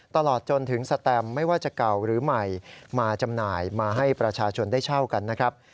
ตลอดจนถึงสแตมไม่ว่าจะเก่าหรือใหม่มาจำหน่ายมาให้ประชาชนได้เช่ากันนะครับ